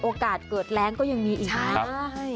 โอกาสเกิดแรงก็ยังมีอีกไหม